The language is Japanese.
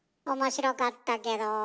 面白かったけど。